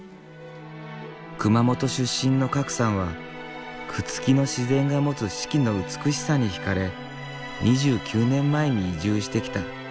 熊本出身の賀来さんは朽木の自然が持つ四季の美しさにひかれ２９年前に移住してきた。